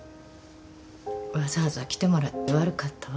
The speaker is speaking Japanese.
わざわざ来てもらって悪かったわ。